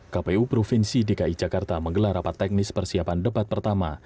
kpu provinsi dki jakarta menggelar rapat teknis persiapan debat pertama